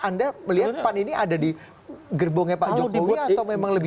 anda melihat pan ini ada di gerbongnya pak jokowi